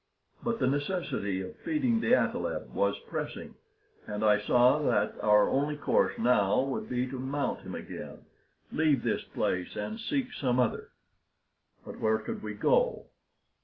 But the necessity of feeding the athaleb was pressing, and I saw that our only course now would be to mount him again, leave this place, and seek some other. But where could we go?